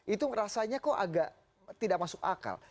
itu rasanya kok agak tidak masuk akal